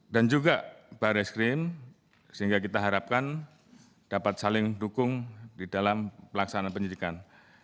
dan juga barres krim sehingga kita harapkan dapat saling dukung di dalam pelaksanaan penyelidikan